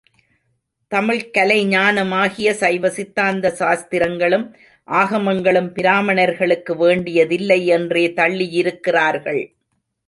தமிழ்க் கலைஞானமாகிய சைவசித்தாந்த சாஸ்திரங்களும் ஆகமங்களும், பிராமணர்களுக்கு வேண்டியதில்லை என்றே தள்ளியிருக்கிறார்கள்.